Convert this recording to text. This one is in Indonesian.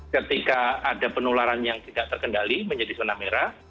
ketika ada penularan yang tidak terkendali menjadi zona merah